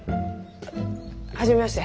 初めまして。